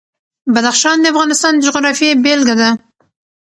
بدخشان د افغانستان د جغرافیې بېلګه ده.